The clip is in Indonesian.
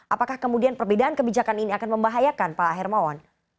apakah kemudian perbedaan kebijakan ini akan membahayakan pak hermawan